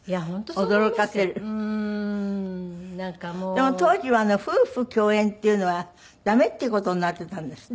でも当時は夫婦共演っていうのは駄目っていう事になっていたんですって？